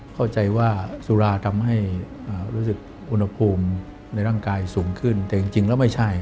เข้าใจว่าสุราทำให้รู้สึกอุณหภูมิในร่างกายสูงขึ้นแต่จริงแล้วไม่ใช่